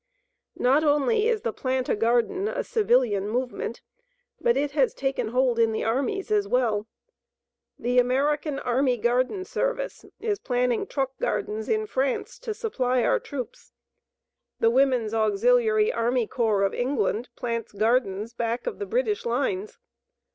Not only is the "plant a garden" a civilian movement, but it has taken hold in the armies as well. The American Army Garden service is planning truck gardens in France to supply our troops. The Woman's Auxiliary Army Corps of England plants gardens back of the British lines.